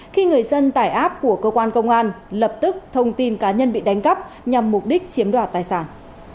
khi người dân tải app của cơ quan công an lập tức thông tin cá nhân bị đánh cắp nhằm mục đích chiếm đoạt tài sản